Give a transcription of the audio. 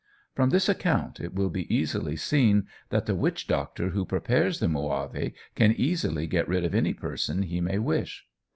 From this account it will be easily seen that the witch doctor who prepares the muavi can easily get rid of any person he may wish.